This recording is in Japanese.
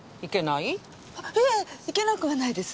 いえいけなくはないです。